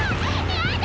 やだ！